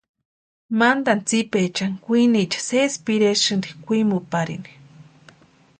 Mantani tsipaechani kwiniecha sési piresïnti kwʼimuparini.